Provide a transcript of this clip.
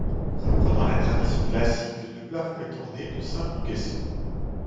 Reprenant la tradition classique, le plafond est orné de simple caissons.